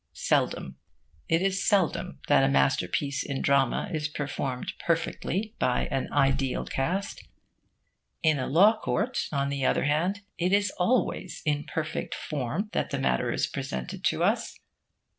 Seldom. It is seldom that a masterpiece in drama is performed perfectly by an ideal cast. In a law court, on the other hand, it is always in perfect form that the matter is presented to us.